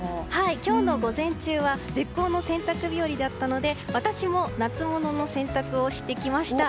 今日の午前中は絶好の洗濯日和だったので私も夏物の洗濯をしてきました。